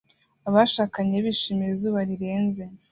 Abashakanye bishimira izuba rirenze